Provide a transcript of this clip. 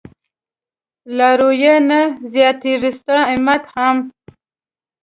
لارويه نه زياتېږي ستا امت هم